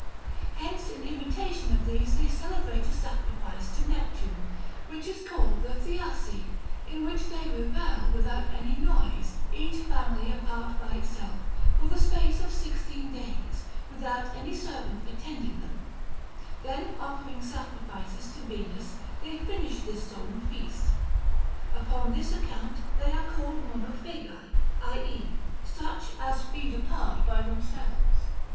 Hence in imitation of these they celebrate a sacrifice to Neptune, which is called the Thiasi, in which they revel without any noise, each family apart by itself, for the space of sixteen days, without any servant attending them ; then offering sacrifices to Venus, they finish this solemn feast. Upon this account they are called Monophagi, i.e. such as feed apart by themselves.